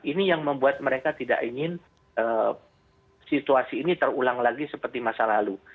ini yang membuat mereka tidak ingin situasi ini terulang lagi seperti masa lalu